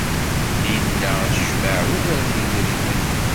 Linda ad tejmeɛ ugar n yedrimen.